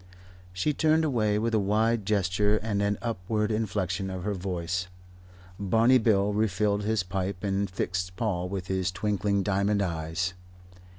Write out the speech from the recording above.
She turned away with a wide gesture and an upward inflexion of her voice. Barney Bill refilled his pipe and fixed Paul with his twinkling diamond eyes.